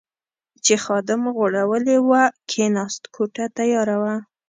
چې خادم غوړولې وه، کېناست، کوټه تیاره وه.